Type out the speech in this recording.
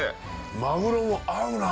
マグロも合うな。